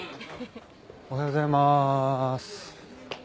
おはようございまーす。